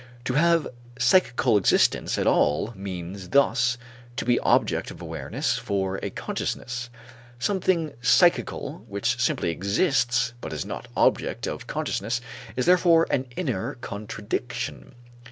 To have psychical existence at all means thus to be object of awareness for a consciousness. Something psychical which simply exists but is not object of consciousness is therefore an inner contradiction.